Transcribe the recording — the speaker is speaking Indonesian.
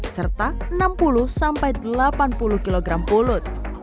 serta enam puluh sampai delapan puluh kg pulut